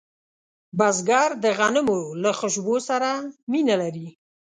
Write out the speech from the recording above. بزګر د غنمو له خوشبو سره مینه لري